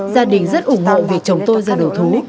gia đình rất ủng hộ vì chồng tôi ra đầu thú